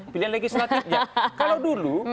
pilihan legislatifnya kalau dulu